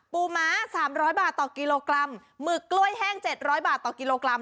ม้า๓๐๐บาทต่อกิโลกรัมหมึกกล้วยแห้ง๗๐๐บาทต่อกิโลกรัม